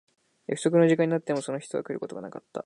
約束の時間になってもその人は来ることがなかった。